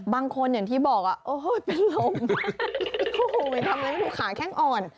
บางคนอย่างที่บอกว่าโอ้ยเป็นลมโอ้ยทำงานให้ผู้ขาแข้งอ่อน